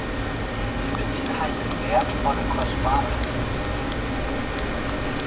Sie beinhaltet wertvolle Kosmaten-Fußböden.